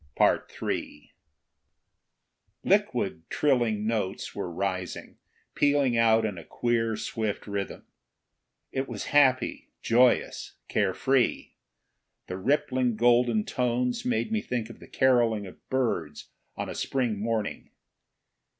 But listen "Liquid, trilling notes were rising, pealing out in a queer, swift rhythm. It was happy, joyous, carefree. The rippling golden tones made me think of the caroling of birds on a spring morning.